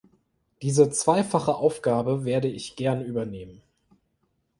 Diese zweifache Aufgabe werde ich gern übernehmen.